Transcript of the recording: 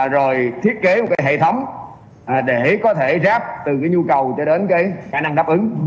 rồi thiết kế một cái hệ thống để có thể ráp từ cái nhu cầu cho đến cái khả năng đáp ứng